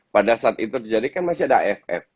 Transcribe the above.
pada saat itu terjadi kan masih ada aff